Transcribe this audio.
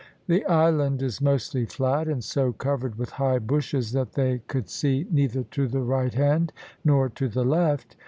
The island is mostly flat, and so covered with high bushes that they could see neither to the right hand nor to the left.